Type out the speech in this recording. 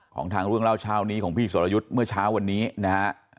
ของทางเรื่องเล่าเช้านี้ของพี่สรยุทธ์เมื่อเช้าวันนี้นะฮะ